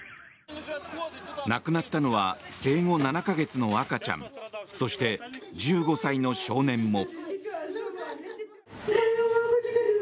亡くなったのは生後７か月の赤ちゃんそして、１５歳の少年も。